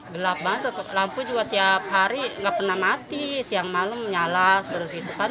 gelap banget lampu juga tiap hari nggak pernah mati siang malam nyala terus gitu kan